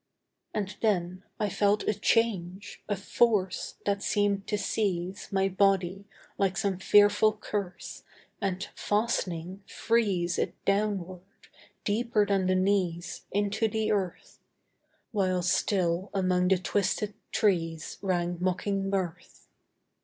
And then I felt a change a force, That seemed to seize My body, like some fearful curse, And, fastening, freeze It downward, deeper than the knees, Into the earth While still among the twisted trees Rang mocking mirth.